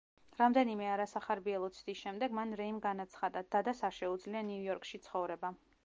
რამდენიმე არასახარბიელო ცდის შემდეგ, მან რეიმ განაცხადა: „დადას არ შეუძლია ნიუ-იორკში ცხოვრება“.